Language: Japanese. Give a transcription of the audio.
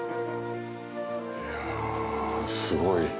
いやすごい。